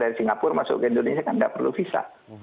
dari singapura masuk ke indonesia kan tidak perlu visa